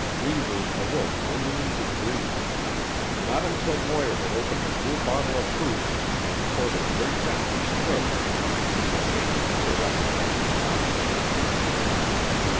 Reivers awoke only in degree. Not until Moir had opened a new bottle of hooch and poured a drink down his throat did he essay to sit up and open his eyes.